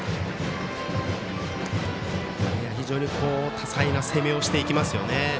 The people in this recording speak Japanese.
多彩な攻めをしていきますね。